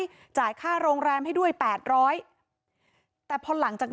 มีชายแปลกหน้า๓คนผ่านมาทำทีเป็นช่วยค่างทาง